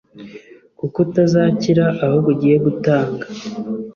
kuko utazakira, ahubwo ugiye gutanga